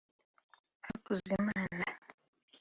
Hakuzimana